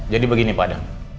jadi begini pak adam